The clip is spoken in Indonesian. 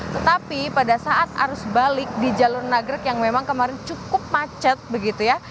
tetapi pada saat arus balik di jalur nagrek yang memang kemarin cukup macet begitu ya